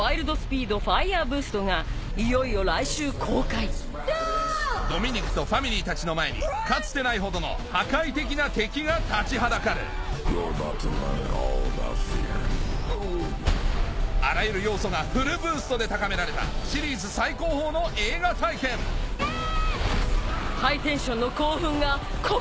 最新作いよいよ来週公開ドミニクとファミリーたちの前にかつてないほどの破壊的な敵が立ちはだかるあらゆる要素がフルブーストで高められたシリーズ最高峰の映画体験ハイテンションの興奮がここに！